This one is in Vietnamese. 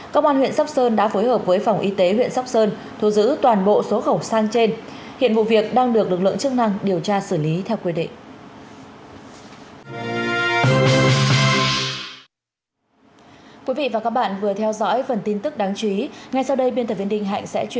công an huyện sóc sơn đã phối hợp với phòng y tế huyện sóc sơn thu giữ toàn bộ số khẩu sang trên hiện vụ việc đang được lực lượng chức năng điều tra xử lý theo quy định